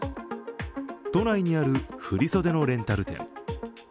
都内にある振り袖のレンタル店。